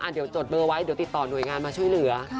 เดี๋ยวจดเบอร์ไว้เดี๋ยวติดต่อหน่วยงานมาช่วยเหลือ